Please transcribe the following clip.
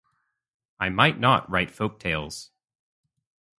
I might not write folktales.